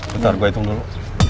bentar gua hitung dulu